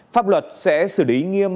pháp luật sẽ xử lý nghiêm